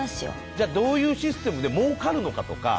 どういうシステムでもうかるのかとか。